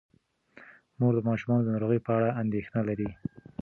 مور د ماشومانو د ناروغۍ په اړه اندیښنه لري.